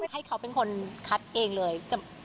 ให้เขาเป็นคนคัดเองเลย